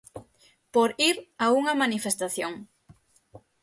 Por ir a unha manifestación.